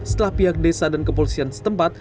setelah pihak desa dan kepolisian setempat